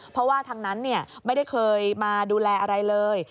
เพราะว่าทางนั้นไม่ได้เคยมาดูแลอะไรเลย